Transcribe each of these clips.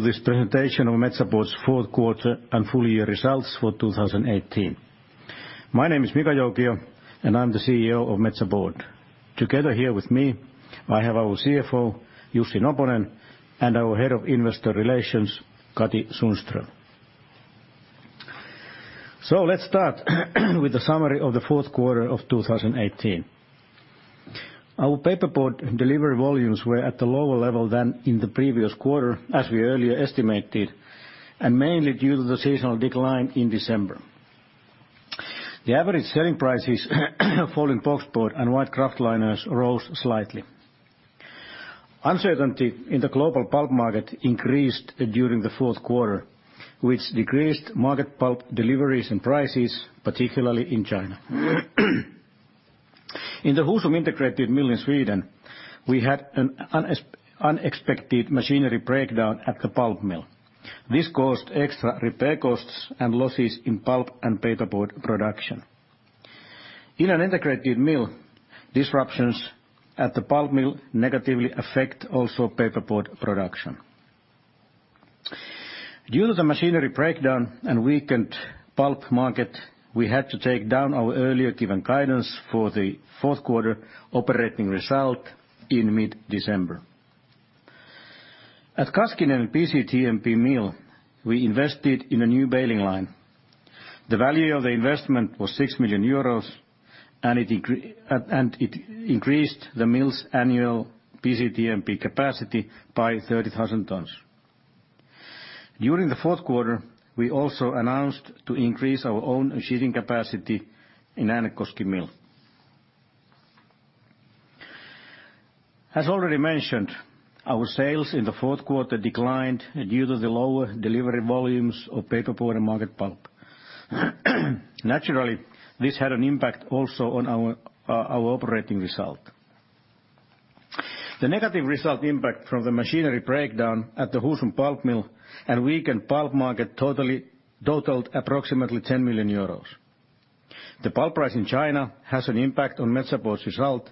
To this presentation of Metsä Board's fourth quarter and full year results for 2018. My name is Mika Joukio, and I'm the CEO of Metsä Board. Together here with me, I have our CFO, Jussi Noponen, and our Head of Investor Relations, Katri Sundström. So let's start with the summary of the fourth quarter of 2018. Our paperboard delivery volumes were at a lower level than in the previous quarter, as we earlier estimated, and mainly due to the seasonal decline in December. The average selling prices for boxboard and white kraft liners rose slightly. Uncertainty in the global pulp market increased during the fourth quarter, which decreased market pulp deliveries and prices, particularly in China. In the Husum integrated mill in Sweden, we had an unexpected machinery breakdown at the pulp mill. This caused extra repair costs and losses in pulp and paperboard production. In an integrated mill, disruptions at the pulp mill negatively affect also paperboard production. Due to the machinery breakdown and weakened pulp market, we had to take down our earlier given guidance for the fourth quarter operating result in mid-December. At Kaskinen BCTMP mill, we invested in a new baling line. The value of the investment was 6 million euros, and it increased the mill's annual BCTMP capacity by 30,000 tons. During the fourth quarter, we also announced to increase our own sheeting capacity in Äänekoski mill. As already mentioned, our sales in the fourth quarter declined due to the lower delivery volumes of paperboard and market pulp. Naturally, this had an impact also on our operating result. The negative result impact from the machinery breakdown at the Husum pulp mill and weakened pulp market totaled approximately 10 million euros. The pulp price in China has an impact on Metsä Board's result,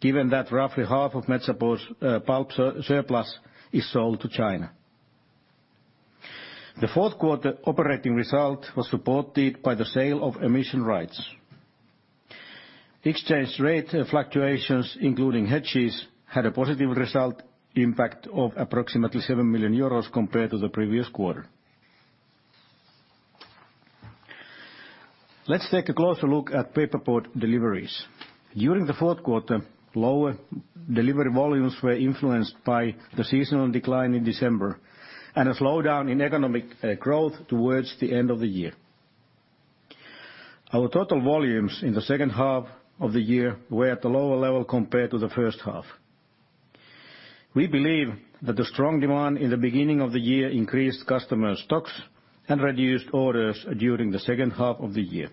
given that roughly half of Metsä Board's pulp surplus is sold to China. The fourth quarter operating result was supported by the sale of emission rights. Exchange rate fluctuations, including hedges, had a positive result impact of approximately 7 million euros compared to the previous quarter. Let's take a closer look at paperboard deliveries. During the fourth quarter, lower delivery volumes were influenced by the seasonal decline in December and a slowdown in economic growth towards the end of the year. Our total volumes in the second half of the year were at a lower level compared to the first half. We believe that the strong demand in the beginning of the year increased customers' stocks and reduced orders during the second half of the year.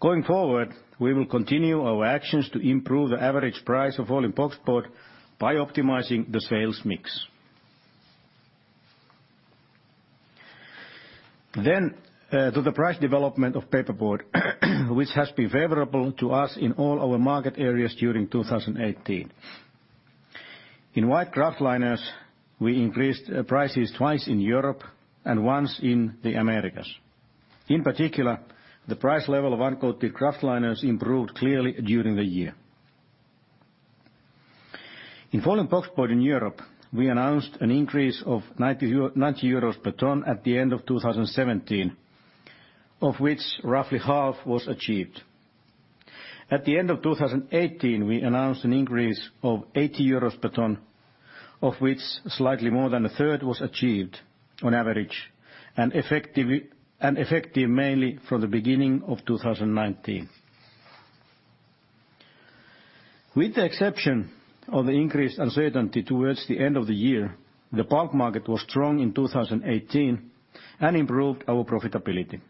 Going forward, we will continue our actions to improve the average price of folding boxboard by optimizing the sales mix. Then, to the price development of paperboard, which has been favorable to us in all our market areas during 2018. In white kraft liners, we increased prices twice in Europe and once in the Americas. In particular, the price level of uncoated kraft liners improved clearly during the year. In folding boxboard in Europe, we announced an increase of 90 euros per ton at the end of 2017, of which roughly half was achieved. At the end of 2018, we announced an increase of 80 euros per ton, of which slightly more than a third was achieved on average and effective mainly from the beginning of 2019. With the exception of the increased uncertainty towards the end of the year, the pulp market was strong in 2018 and improved our profitability.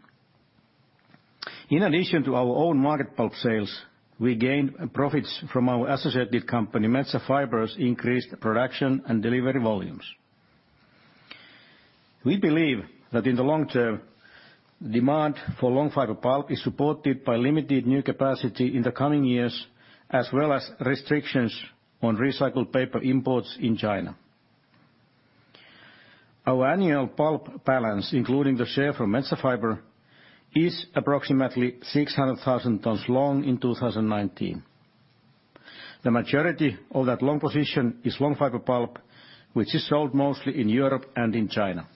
In addition to our own market pulp sales, we gained profits from our associated company, Metsä Fibre's increased production and delivery volumes. We believe that in the long term, demand for long fiber pulp is supported by limited new capacity in the coming years, as well as restrictions on recycled paper imports in China. Our annual pulp balance, including the share from Metsä Fibre, is approximately 600,000 tons long in 2019. The majority of that long position is long fiber pulp, which is sold mostly in Europe and in China.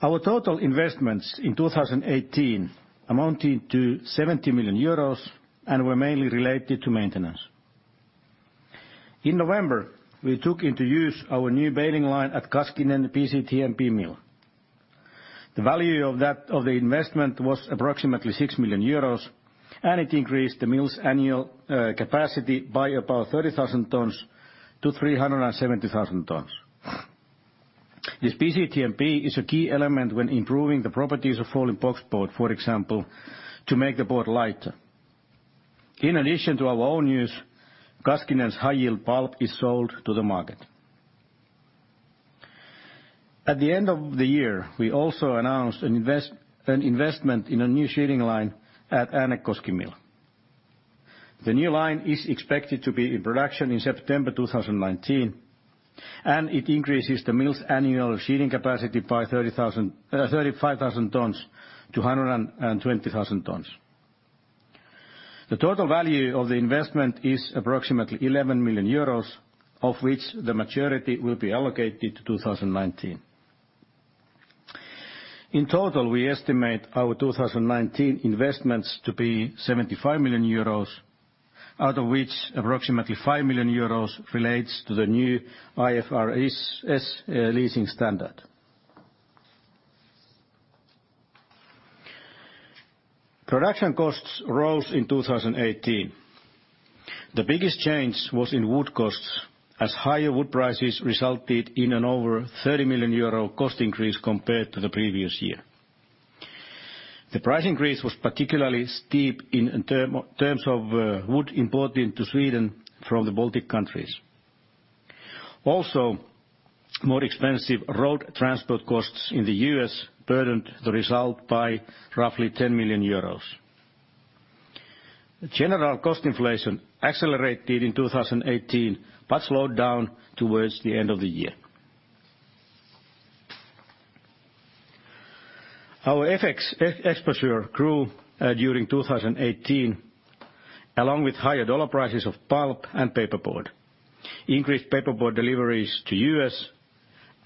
Our total investments in 2018 amounted to 70 million euros and were mainly related to maintenance. In November, we took into use our new baling line at Kaskinen BCTMP mill. The value of the investment was approximately 6 million euros, and it increased the mill's annual capacity by about 30,000 tons to 370,000 tons. This BCTMP is a key element when improving the properties of folding boxboard, for example, to make the board lighter. In addition to our own use, Kaskinen's high-yield pulp is sold to the market. At the end of the year, we also announced an investment in a new sheeting line at Äänekoski mill. The new line is expected to be in production in September 2019, and it increases the mill's annual sheeting capacity by 35,000 tons to 120,000 tons. The total value of the investment is approximately 11 million euros, of which the majority will be allocated to 2019. In total, we estimate our 2019 investments to be 75 million euros, out of which approximately 5 million euros relates to the new IFRS leasing standard. Production costs rose in 2018. The biggest change was in wood costs, as higher wood prices resulted in an over 30 million euro cost increase compared to the previous year. The price increase was particularly steep in terms of wood imported into Sweden from the Baltic countries. Also, more expensive road transport costs in the U.S. burdened the result by roughly 10 million euros. General cost inflation accelerated in 2018 but slowed down towards the end of the year. Our FX exposure grew during 2018, along with higher dollar prices of pulp and paperboard, increased paperboard deliveries to the U.S.,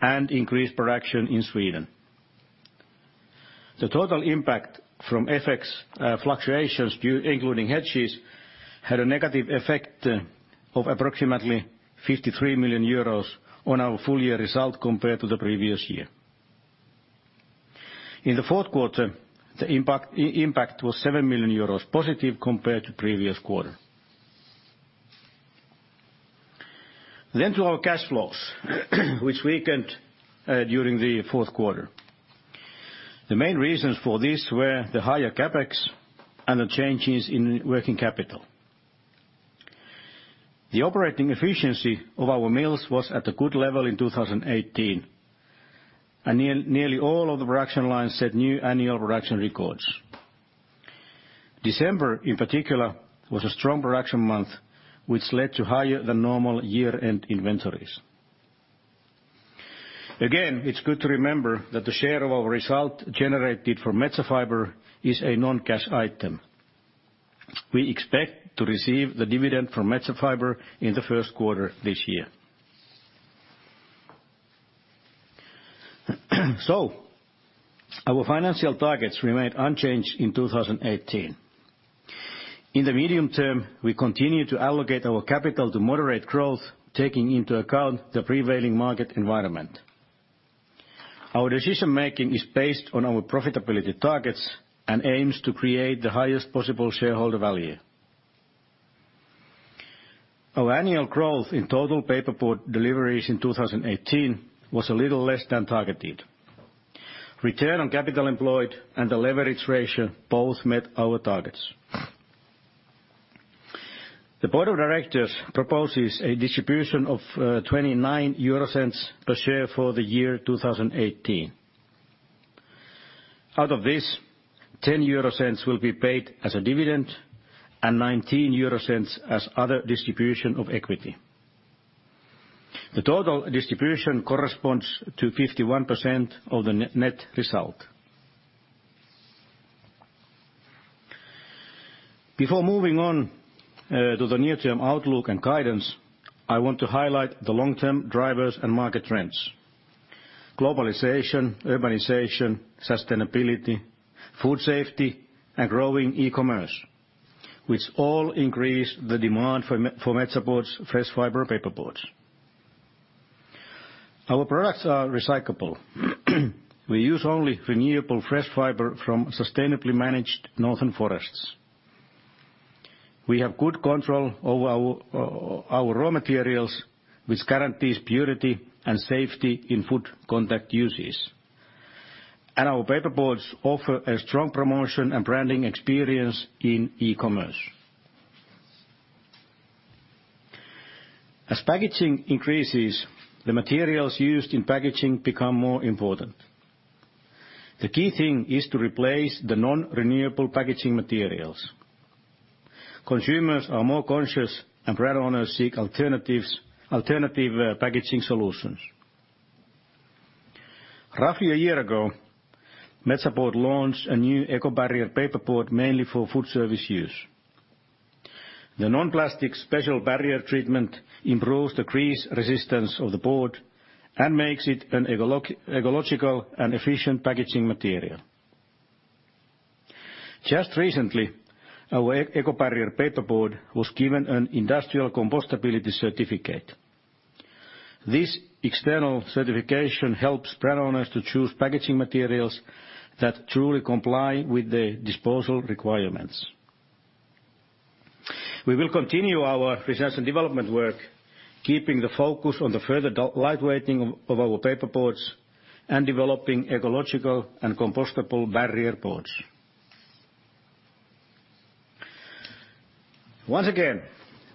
and increased production in Sweden. The total impact from FX fluctuations, including hedges, had a negative effect of approximately 53 million euros on our full year result compared to the previous year. In the fourth quarter, the impact was 7 million euros positive compared to the previous quarter. Then to our cash flows, which weakened during the fourth quarter. The main reasons for this were the higher CapEx and the changes in working capital. The operating efficiency of our mills was at a good level in 2018, and nearly all of the production lines set new annual production records. December, in particular, was a strong production month, which led to higher than normal year-end inventories. Again, it's good to remember that the share of our result generated for Metsä Fibre is a non-cash item. We expect to receive the dividend from Metsä Fibre in the first quarter this year. So our financial targets remained unchanged in 2018. In the medium term, we continue to allocate our capital to moderate growth, taking into account the prevailing market environment. Our decision-making is based on our profitability targets and aims to create the highest possible shareholder value. Our annual growth in total paperboard deliveries in 2018 was a little less than targeted. Return on capital employed and the leverage ratio both met our targets. The board of directors proposes a distribution of 0.29 per share for the year 2018. Out of this, 0.10 will be paid as a dividend and 0.19 as other distribution of equity. The total distribution corresponds to 51% of the net result. Before moving on to the near-term outlook and guidance, I want to highlight the long-term drivers and market trends: globalization, urbanization, sustainability, food safety, and growing e-commerce, which all increase the demand for Metsä Board's fresh fiber paperboards. Our products are recyclable. We use only renewable fresh fiber from sustainably managed northern forests. We have good control over our raw materials, which guarantees purity and safety in food contact uses. Our paperboards offer a strong promotion and branding experience in e-commerce. As packaging increases, the materials used in packaging become more important. The key thing is to replace the non-renewable packaging materials. Consumers are more conscious, and brand owners seek alternative packaging solutions. Roughly a year ago, Metsä Board launched a new Eco-barrier paperboard mainly for food service use. The non-plastic special barrier treatment improves the crease resistance of the board and makes it an ecological and efficient packaging material. Just recently, our Eco-Barrier paperboard was given an industrial compostability certificate. This external certification helps brand owners to choose packaging materials that truly comply with the disposal requirements. We will continue our research and development work, keeping the focus on the further lightweighting of our paperboards and developing ecological and compostable barrier boards. Once again,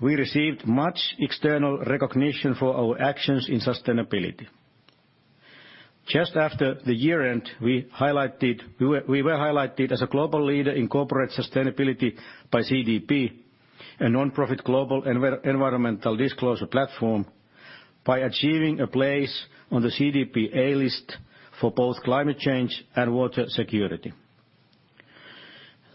we received much external recognition for our actions in sustainability. Just after the year-end, we were highlighted as a global leader in corporate sustainability by CDP, a non-profit global environmental disclosure platform, by achieving a place on the CDP A List for both climate change and water security.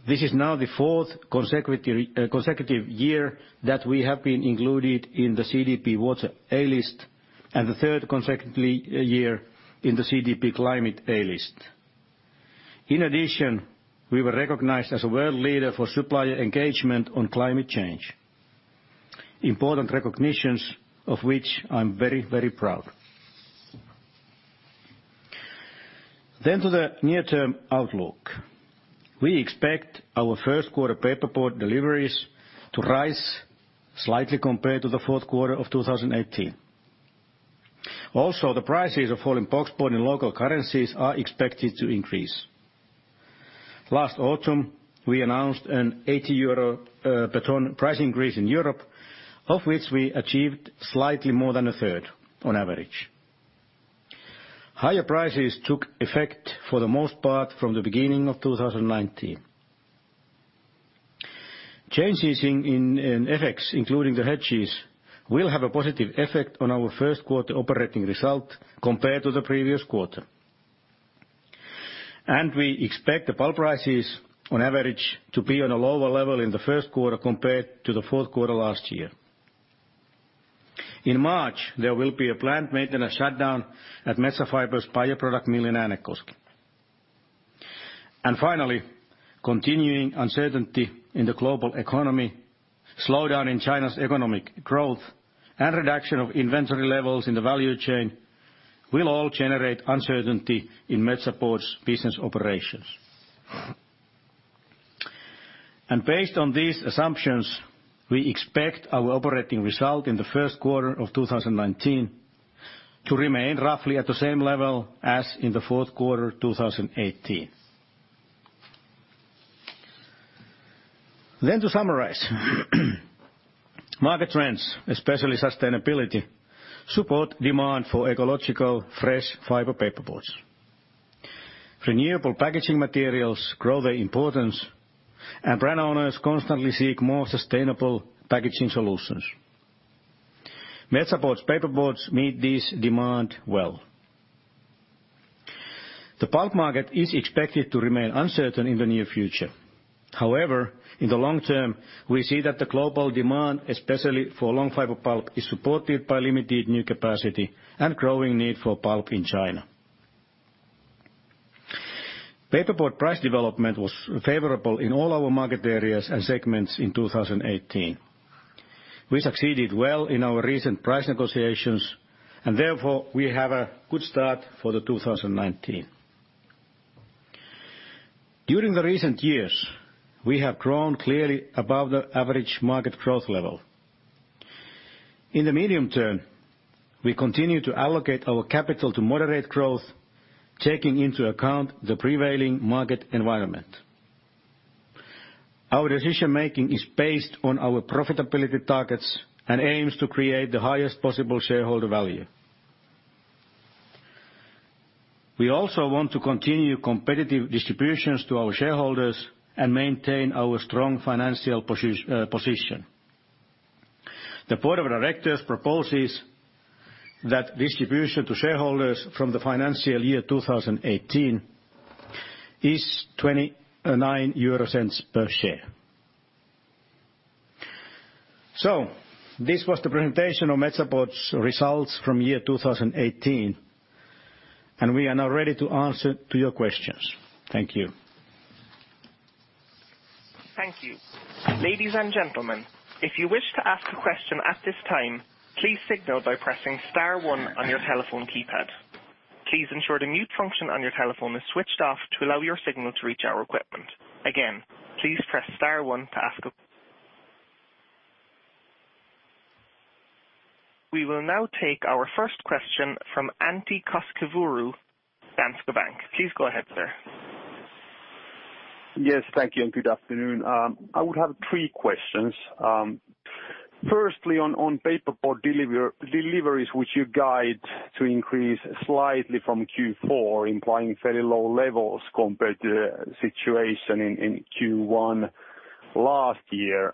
This is now the fourth consecutive year that we have been included in the CDP Water A-list and the third consecutive year in the CDP Climate A-list. In addition, we were recognized as a world leader for supplier engagement on climate change, important recognitions of which I'm very, very proud. Then to the near-term outlook. We expect our first quarter paperboard deliveries to rise slightly compared to the fourth quarter of 2018. Also, the prices of folding boxboard in local currencies are expected to increase. Last autumn, we announced an 80 euro per ton price increase in Europe, of which we achieved slightly more than a third on average. Higher prices took effect for the most part from the beginning of 2019. Changes in FX, including the hedges, will have a positive effect on our first quarter operating result compared to the previous quarter. And we expect the pulp prices, on average, to be on a lower level in the first quarter compared to the fourth quarter last year. In March, there will be a planned maintenance shutdown at Metsä Fibre's bioproduct mill in Äänekoski. And finally, continuing uncertainty in the global economy, slowdown in China's economic growth, and reduction of inventory levels in the value chain will all generate uncertainty in Metsä Board's business operations. And based on these assumptions, we expect our operating result in the first quarter of 2019 to remain roughly at the same level as in the fourth quarter 2018. To summarize, market trends, especially sustainability, support demand for ecological fresh fiber paperboards. Renewable packaging materials grow their importance, and brand owners constantly seek more sustainable packaging solutions. Metsä Board's paperboards meet this demand well. The pulp market is expected to remain uncertain in the near future. However, in the long term, we see that the global demand, especially for long fiber pulp, is supported by limited new capacity and growing need for pulp in China. Paperboard price development was favorable in all our market areas and segments in 2018. We succeeded well in our recent price negotiations, and therefore we have a good start for 2019. During the recent years, we have grown clearly above the average market growth level. In the medium term, we continue to allocate our capital to moderate growth, taking into account the prevailing market environment. Our decision-making is based on our profitability targets and aims to create the highest possible shareholder value. We also want to continue competitive distributions to our shareholders and maintain our strong financial position. The board of directors proposes that distribution to shareholders from the financial year 2018 is EUR 0.29 per share. So this was the presentation of Metsä Board's results from year 2018, and we are now ready to answer your questions. Thank you. Thank you. Ladies and gentlemen, if you wish to ask a question at this time, please signal by pressing Star one on your telephone keypad. Please ensure the mute function on your telephone is switched off to allow your signal to reach our equipment. Again, please press Star 1 to ask a question. We will now take our first question from Antti Koskivuori, Danske Bank. Please go ahead, sir. Yes, thank you and good afternoon. I would have three questions. Firstly, on paperboard deliveries, which you guide to increase slightly from Q4, implying fairly low levels compared to the situation in Q1 last year,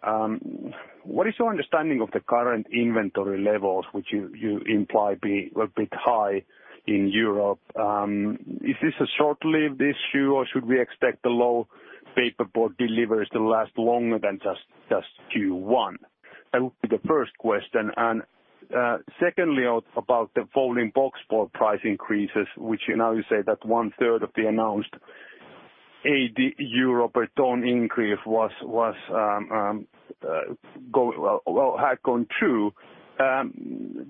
what is your understanding of the current inventory levels, which you imply be a bit high in Europe? Is this a short-lived issue, or should we expect the low paperboard deliveries to last longer than just Q1? That would be the first question, and secondly, about the folding boxboard price increases, which now you say that one-third of the announced EUR 80 per ton increase had gone through,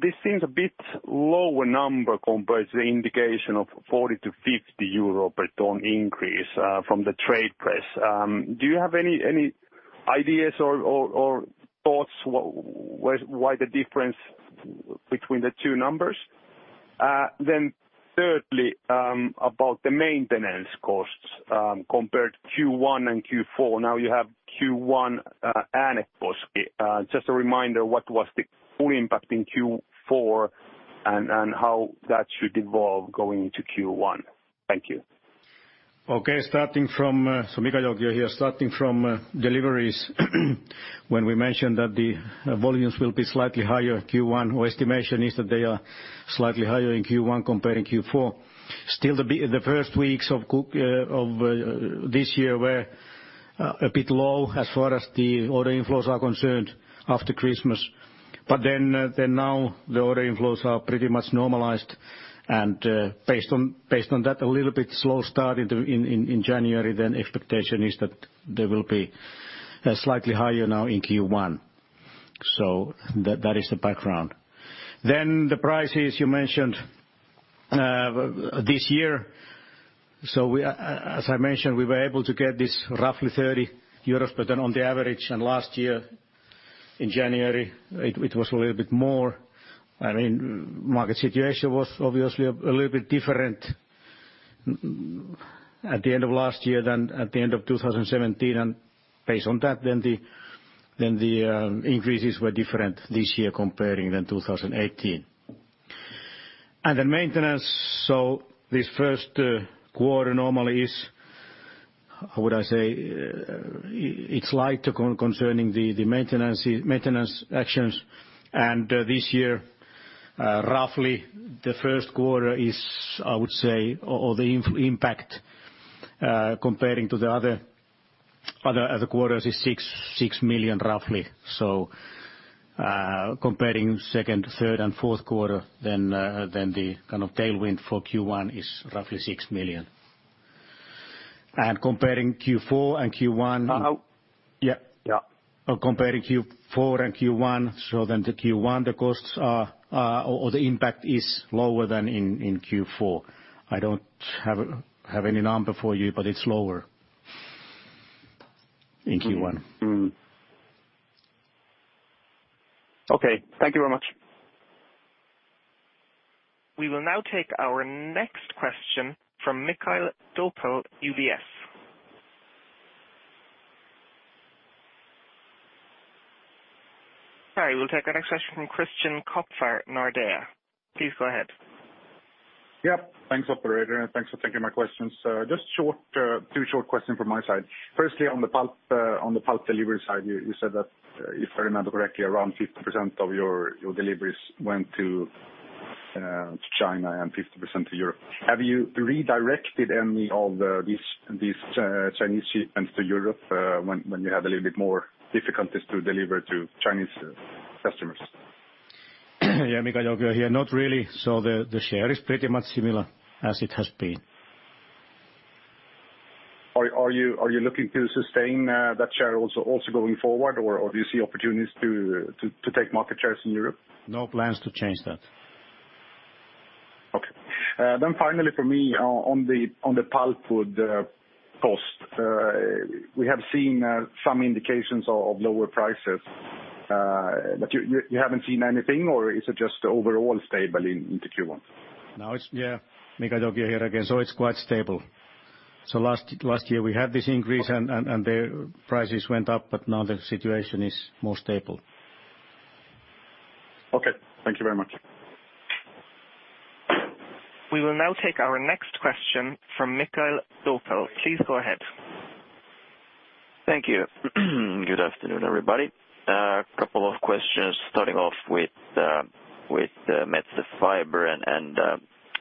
this seems a bit lower number compared to the indication of 40-50 euro per ton increase from the trade press. Do you have any ideas or thoughts why the difference between the two numbers? Thirdly, about the maintenance costs compared to Q1 and Q4. Now you have Q1 Äänekoski. Just a reminder, what was the full impact in Q4 and how that should evolve going into Q1? Thank you. Okay, starting from, so Mika Joukio here, starting from deliveries, when we mentioned that the volumes will be slightly higher Q1, our estimation is that they are slightly higher in Q1 compared to Q4. Still, the first weeks of this year were a bit low as far as the order inflows are concerned after Christmas. But then now the order inflows are pretty much normalized, and based on that, a little bit slow start in January, then expectation is that there will be slightly higher now in Q1. So that is the background. Then the prices, you mentioned this year, so as I mentioned, we were able to get this roughly 30 euros per ton on average. And last year in January, it was a little bit more. I mean, market situation was obviously a little bit different at the end of last year than at the end of 2017. And based on that, then the increases were different this year comparing than 2018. And then maintenance, so this first quarter normally is, how would I say, it's light concerning the maintenance actions. And this year, roughly the first quarter is, I would say, or the impact comparing to the other quarters is 6 million roughly. So comparing second, third, and fourth quarter, then the kind of tailwind for Q1 is roughly 6 million. And comparing Q4 and Q1, yeah, or comparing Q4 and Q1, so then the Q1, the costs are or the impact is lower than in Q4. I don't have any number for you, but it's lower in Q1. Okay, thank you very much. We will now take our next question from Mikael Doepel, UBS. Hi, we'll take our next question from Christian Kopfer, Nordea. Please go ahead. Yep, thanks operator, and thanks for taking my questions. Just two short questions from my side. Firstly, on the pulp delivery side, you said that, if I remember correctly, around 50% of your deliveries went to China and 50% to Europe. Have you redirected any of these Chinese shipments to Europe when you had a little bit more difficulties to deliver to Chinese customers? Yeah, Mika Joukio here, not really. So the share is pretty much similar as it has been. Are you looking to sustain that share also going forward, or do you see opportunities to take market shares in Europe? No plans to change that. Okay. Then finally for me, on the pulp wood cost, we have seen some indications of lower prices. But you haven't seen anything, or is it just overall stable into Q1? No, it's, yeah, Mika Joukio here again, so it's quite stable. So last year we had this increase and the prices went up, but now the situation is more stable. Okay, thank you very much. We will now take our next question from Mikael Doepel. Please go ahead. Thank you. Good afternoon, everybody. A couple of questions starting off with Metsä Fibre and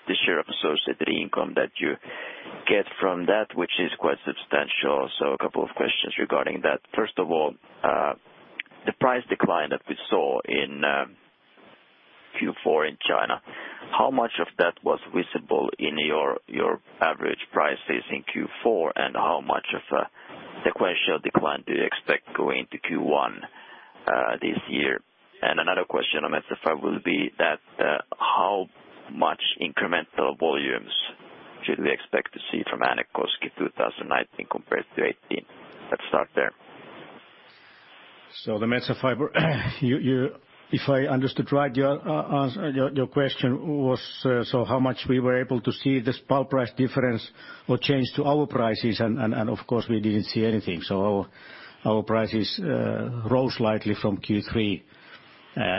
the share of associated income that you get from that, which is quite substantial. So a couple of questions regarding that. First of all, the price decline that we saw in Q4 in China, how much of that was visible in your average prices in Q4, and how much of a sequential decline do you expect going into Q1 this year? Another question on Metsä Fibre will be that how much incremental volumes should we expect to see from Äänekoski 2019 compared to 2018? Let's start there. The Metsä Fibre, if I understood right, your question was so how much we were able to see this pulp price difference or change to our prices, and of course we didn't see anything. Our prices rose slightly from Q3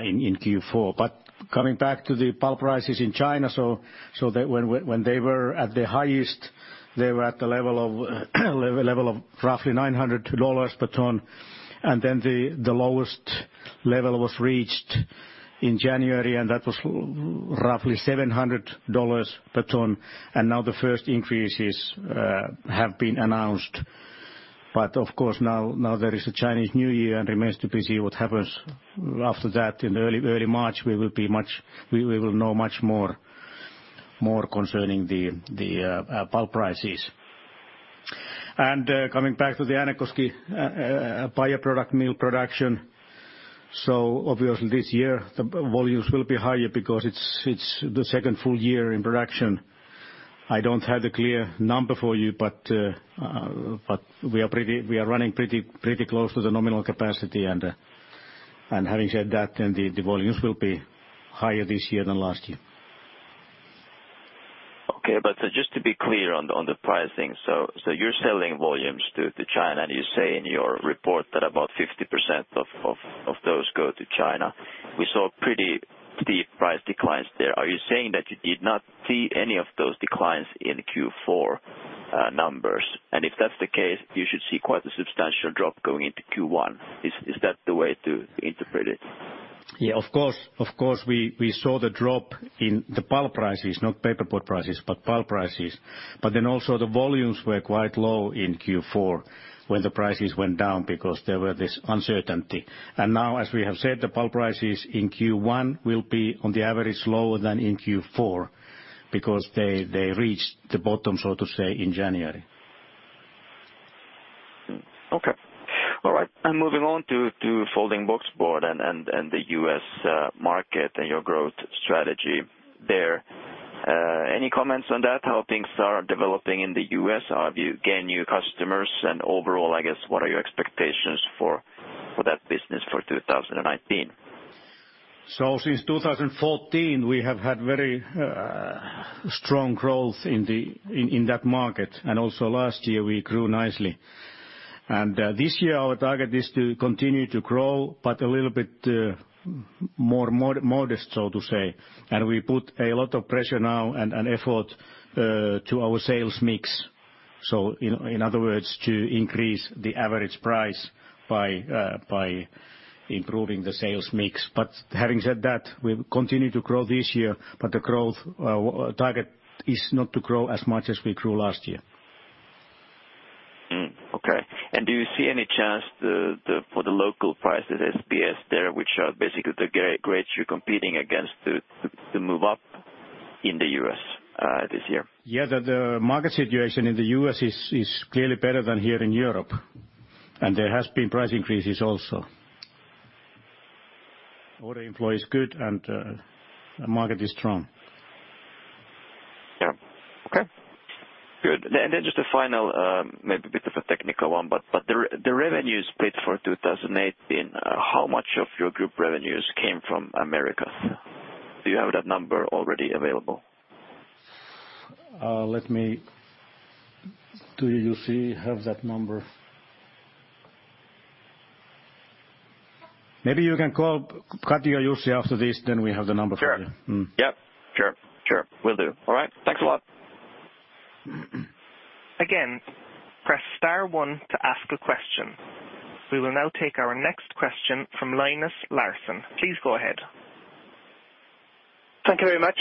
in Q4. Coming back to the pulp prices in China, so when they were at their highest, they were at the level of roughly $900 per ton, and then the lowest level was reached in January, and that was roughly $700 per ton. Now the first increases have been announced. Of course now there is a Chinese New Year, and it remains to be seen what happens after that. In early March, we will know much more concerning the pulp prices. And coming back to the Äänekoski bioproduct mill production, so obviously this year the volumes will be higher because it's the second full year in production. I don't have the clear number for you, but we are running pretty close to the nominal capacity. And having said that, then the volumes will be higher this year than last year. Okay, but just to be clear on the pricing, so you're selling volumes to China, and you say in your report that about 50% of those go to China. We saw pretty steep price declines there. Are you saying that you did not see any of those declines in Q4 numbers? And if that's the case, you should see quite a substantial drop going into Q1. Is that the way to interpret it? Yeah, of course. Of course, we saw the drop in the pulp prices, not paperboard prices, but pulp prices. But then also the volumes were quite low in Q4 when the prices went down because there was this uncertainty. And now, as we have said, the pulp prices in Q1 will be on the average lower than in Q4 because they reached the bottom, so to say, in January. Okay. All right. And moving on to folding boxboard and the U.S. market and your growth strategy there. Any comments on that, how things are developing in the U.S.? Are you getting new customers? And overall, I guess, what are your expectations for that business for 2019? So since 2014, we have had very strong growth in that market. And also last year we grew nicely. This year our target is to continue to grow, but a little bit more modest, so to say. We put a lot of pressure now and effort to our sales mix. In other words, to increase the average price by improving the sales mix. Having said that, we continue to grow this year, but the growth target is not to grow as much as we grew last year. Okay. Do you see any chance for the local prices, SBS there, which are basically the grade you're competing against to move up in the U.S. this year? Yeah, the market situation in the U.S. is clearly better than here in Europe. There have been price increases also. Order inflow is good and the market is strong. Yeah. Okay. Good. And then just a final, maybe a bit of a technical one, but the revenues split for 2018, how much of your group revenues came from America? Do you have that number already available? Let me do you have that number? Maybe you can call Katri or Jussi after this, then we have the number for you. Sure. Yeah. Sure. Sure. Will do. All right. Thanks a lot. Again, press Star 1 to ask a question. We will now take our next question from Linus Larsson. Please go ahead. Thank you very much.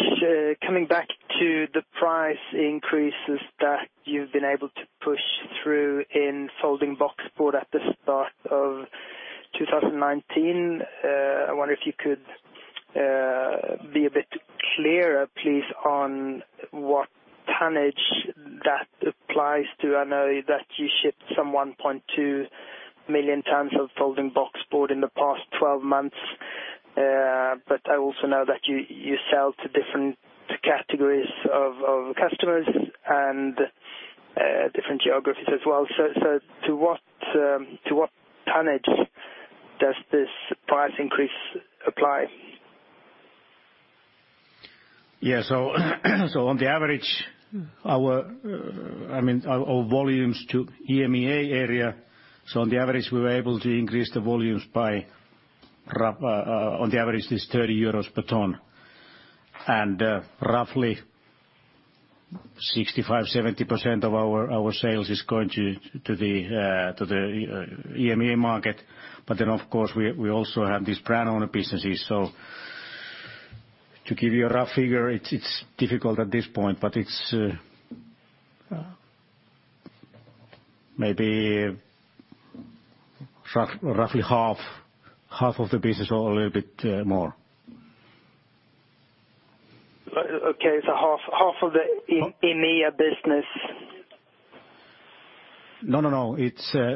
Coming back to the price increases that you've been able to push through in folding boxboard at the start of 2019, I wonder if you could be a bit clearer, please, on what tonnage that applies to. I know that you shipped some 1.2 million tons of folding boxboard in the past 12 months, but I also know that you sell to different categories of customers and different geographies as well. So to what tonnage does this price increase apply? Yeah, so on average, our volumes to EMEA area. We were able to increase the volumes by this 30 euros per ton. And roughly 65%-70% of our sales is going to the EMEA market. But then, of course, we also have these brand-owner businesses. So to give you a rough figure, it is difficult at this point, but it is maybe roughly half of the business or a little bit more. Okay, so half of the EMEA business. No, no, no.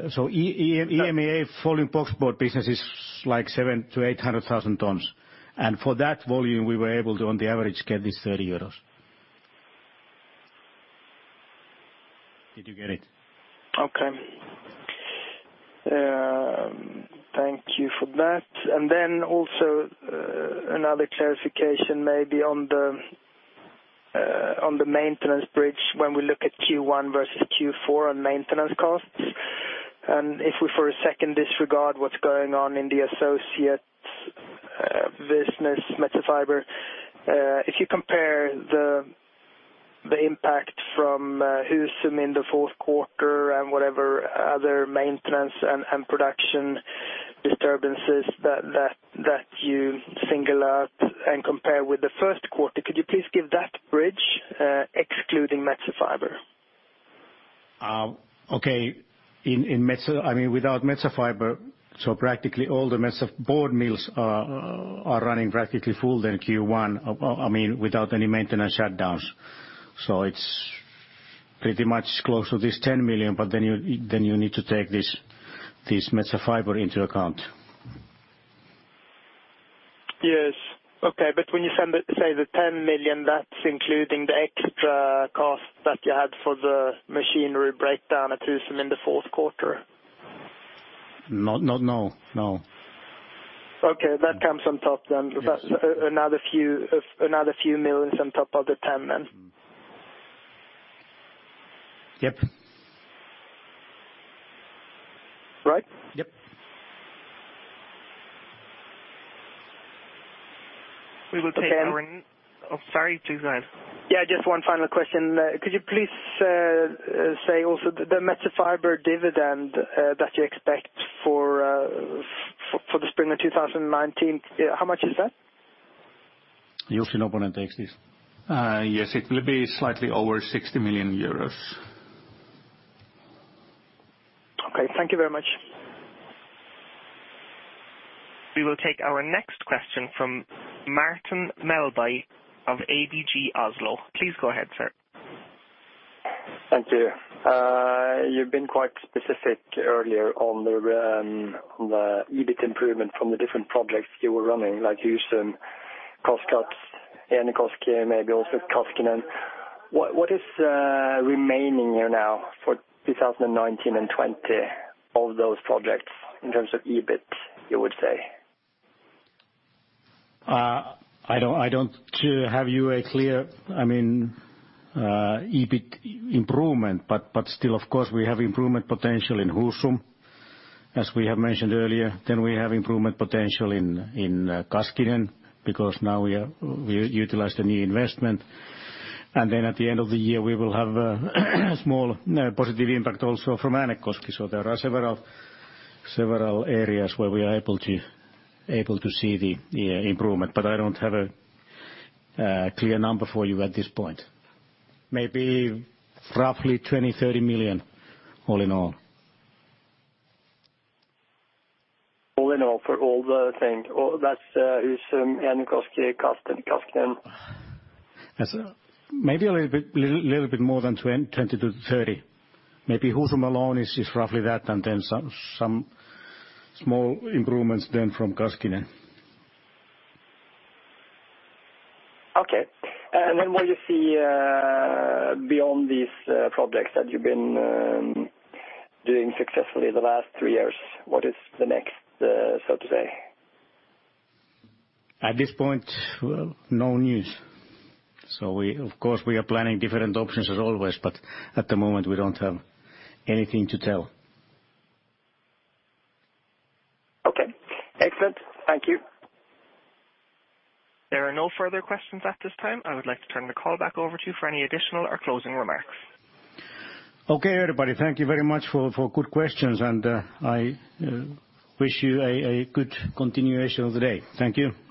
So EMEA folding boxboard business is like 700,000-800,000 tons. And for that volume, we were able to, on the average, get this 30 euros. Did you get it? Okay. Thank you for that. And then also another clarification maybe on the maintenance bridge when we look at Q1 versus Q4 on maintenance costs. And if we for a second disregard what's going on in the associate business, Metsä Fibre, if you compare the impact from Husum in the fourth quarter and whatever other maintenance and production disturbances that you single out and compare with the first quarter, could you please give that bridge excluding Metsä Fibre? Okay. I mean, without Metsä Fibre, so practically all the Metsä Board mills are running practically full then Q1, I mean, without any maintenance shutdowns. So it's pretty much close to this 10 million, but then you need to take this Metsä Fibre into account. Yes. Okay. But when you say the 10 million, that's including the extra cost that you had for the machinery breakdown at Husum in the fourth quarter? No, no, no. Okay. That comes on top then. Another few millions on top of the 10 then. Yep. Right? Yep. We will take our. Oh, sorry. Please go ahead. Yeah, just one final question. Could you please say also the Metsä Fibre dividend that you expect for the spring of 2019, how much is that? Yes, it will be slightly over 60 million euros. Okay. Thank you very much. We will take our next question from Martin Melbye of ABG Oslo. Please go ahead, sir. Thank you. You've been quite specific earlier on the EBITDA improvement from the different projects you were running, like Husum, Kaskinen, Äänekoski, maybe also Kaskinen. What is remaining here now for 2019 and 2020 of those projects in terms of EBITDA, you would say? I don't have you a clear, I mean, EBITDA improvement, but still, of course, we have improvement potential in Husum, as we have mentioned earlier. Then we have improvement potential in Kaskinen because now we utilize the new investment. And then at the end of the year, we will have a small positive impact also from Äänekoski. So there are several areas where we are able to see the improvement, but I don't have a clear number for you at this point. Maybe roughly 20 million-30 million all in all. All in all for all the thing? That's Husum, Äänekoski, Kaskinen. Maybe a little bit more than 20 million-30 million. Maybe Husum alone is roughly that, and then some small improvements then from Kaskinen. Okay. And then what do you see beyond these projects that you've been doing successfully the last three years? What is the next, so to say? At this point, no news. So of course, we are planning different options as always, but at the moment, we don't have anything to tell. Okay. Excellent. Thank you. There are no further questions at this time. I would like to turn the call back over to you for any additional or closing remarks. Okay, everybody. Thank you very much for good questions, and I wish you a good continuation of the day. Thank you.